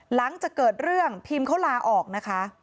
หลังจากเกิดเรื่องพิมเขาลาออกนะคะ